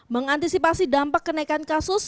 mengantisipasi dampak kenaikan kasus